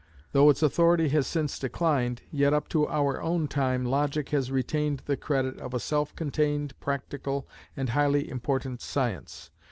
Though its authority has since declined, yet up to our own time logic has retained the credit of a self contained, practical, and highly important science.